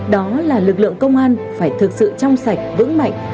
đó là lực lượng công an phải thực sự trong sạch vững mạnh